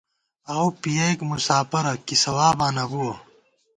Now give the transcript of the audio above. آؤو پِیَئیک مُساپرہ ، کی ثواباں نہ بُوَہ